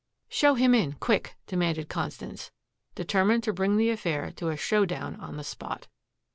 "Show him in quick," demanded Constance, determined to bring the affair to a show down on the spot.